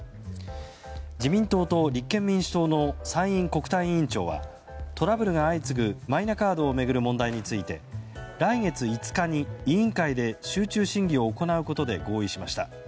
自民党と立憲民主党の参院国対委員長はトラブルが相次ぐマイナカードを巡る問題について来月５日に委員会で集中審議を行うことで合意しました。